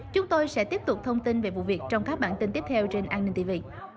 chúng tôi sẽ tiếp tục thông tin về vụ việc trong các bản tin tiếp theo trên an ninh tị vị